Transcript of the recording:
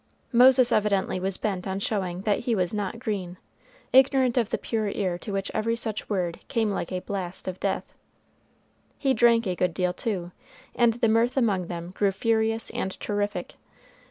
Moses evidently was bent on showing that he was not green, ignorant of the pure ear to which every such word came like the blast of death. He drank a great deal, too, and the mirth among them grew furious and terrific.